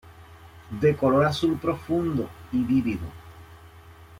De color azul profundo y vivido.